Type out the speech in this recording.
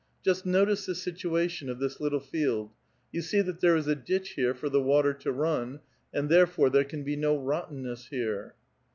Just notice the situation of this little field : vou see that there is a ditch here for the water to run, and therefore there can be no rottenness here."